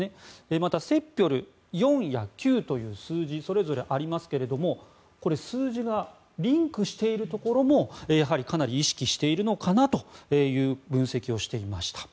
またセッピョル４や９という数字それぞれありますがこれ、数字がリンクしているところもやはりかなり意識しているのかなという分析をしていました。